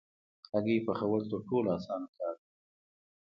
هګۍ پخول تر ټولو اسانه کار دی.